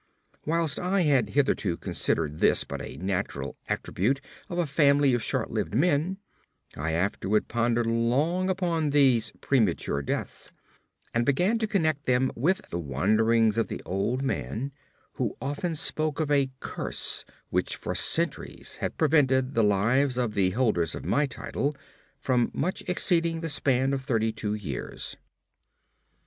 Whilst I had hitherto considered this but a natural attribute of a family of short lived men, I afterward pondered long upon these premature deaths, and began to connect them with the wanderings of the old man, who often spoke of a curse which for centuries had prevented the lives of the holders of my title from much exceeding the span of thirty two years.